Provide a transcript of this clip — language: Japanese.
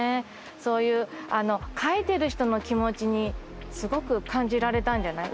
そういう描いてる人の気持ちにすごく感じられたんじゃない？